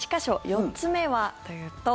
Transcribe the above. ４つ目はというと。